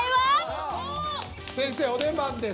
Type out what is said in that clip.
先生お出番です。